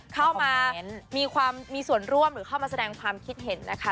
เข้ามามีความมีส่วนร่วมหรือเข้ามาแสดงความคิดเห็นนะคะ